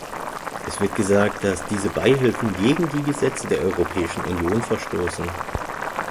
Es wird gesagt, dass diese Beihilfen gegen die Gesetze der Europäischen Union verstoßen.